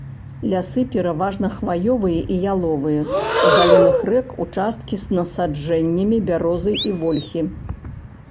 Лясы пераважна хваёвыя і яловыя, у далінах рэк участкі з насаджэннямі бярозы і вольхі.